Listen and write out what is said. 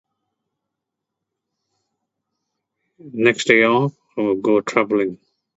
Next day off, I'ma go traveling.